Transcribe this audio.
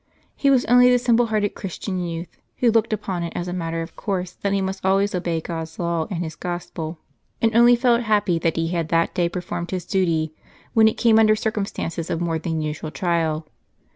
He was only the simple hearted Christian youth, who looked upon it as a matter of course that he must always obey God's law and His Gospel ; and only felt happy that he had that day performed his duty, when it came under circumstances of more than usual trial.